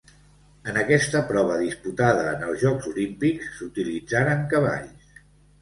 En aquesta prova disputada en els Jocs Olímpics s'utilitzaren cavalls.